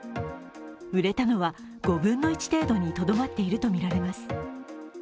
売れたのは５分の１程度にとどまっているとみられます。